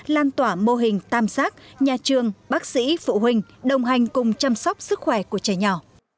lan tỏa mô hình tam sát nhà trường bác sĩ phụ huynh đồng hành cùng chăm sóc sức khỏe của trẻ nhỏ